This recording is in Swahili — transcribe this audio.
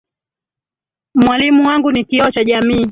Mwalimu wangu ni kioo cha jamii.